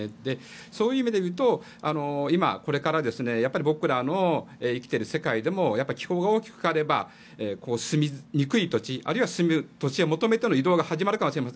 そういう意味で言うと今これから僕らの生きている世界でもやっぱり気候が大きく変われば住みにくい土地あるいは住みやすい土地を求めての移動始まるかもしれない。